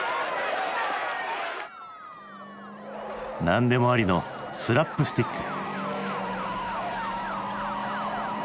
何でもありのスラップスティック。